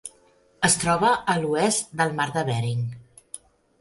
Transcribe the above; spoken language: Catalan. Es troba a l'oest del Mar de Bering.